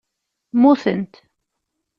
Mutent.